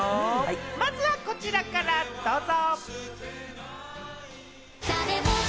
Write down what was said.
まずはこちらからどうぞ！